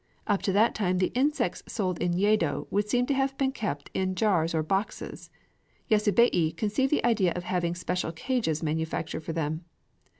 Up to that time the insects sold in Yedo would seem to have been kept in jars or boxes: Yasubei conceived the idea of having special cages manufactured for them.